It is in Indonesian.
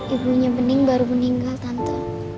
ibunya bening baru meninggal tante